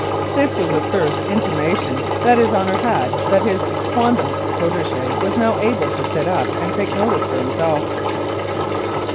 This was the first intimation that his Honour had that his quondam protege was now able to sit up and take notice for himself.